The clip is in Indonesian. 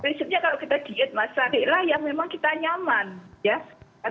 prinsipnya kalau kita diet masa ya memang kita nyaman